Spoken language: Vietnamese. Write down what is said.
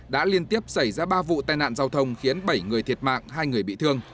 đã liên tiếp xảy ra ba vụ tai nạn giao thông khiến bảy người thiệt mạng hai người bị thương